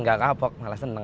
nggak kapok malah senang